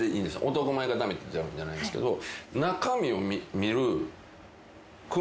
男前が駄目って言ってるわけじゃないんですけど。